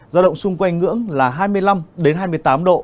giao động xung quanh ngưỡng là hai mươi năm hai mươi tám độ